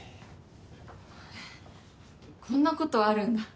こんなことあるんだ。